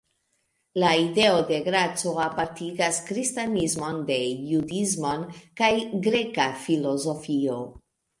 La ideo de graco apartigas kristanismon de judismo kaj greka filozofio.